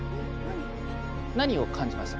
何を感じました？